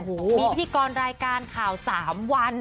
มีพิธีกรรายการข่าว๓วัน